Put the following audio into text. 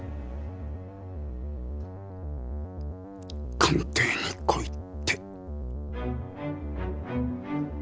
官邸に来いって。